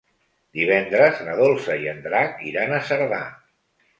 Divendres na Dolça i en Drac iran a Cerdà.